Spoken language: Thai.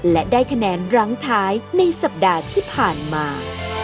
และได้คะแนนรั้งท้ายในสัปดาห์ที่ผ่านมา